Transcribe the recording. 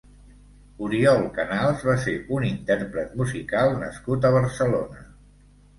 Oriol Canals va ser un intérpret musical nascut a Barcelona.